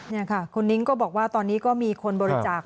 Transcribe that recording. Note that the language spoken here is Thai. นี่ค่ะคุณนิ้งก็บอกว่าตอนนี้ก็มีคนบริจาค